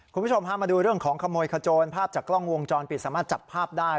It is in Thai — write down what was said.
คุณผู้ชมพามาดูเรื่องของขโมยขโจรภาพจากกล้องวงจรปิดสามารถจับภาพได้